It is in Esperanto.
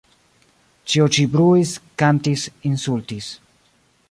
Ĉio ĉi bruis, kantis, insultis.